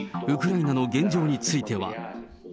ウクライナの現状については。